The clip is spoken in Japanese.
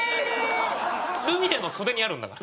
ルミネの袖にあるんだわ。